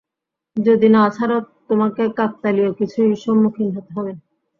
যদি না ছাড়ো, তোমাকে কাকতালীয় কিছুই সম্মুখীন হতে হবে।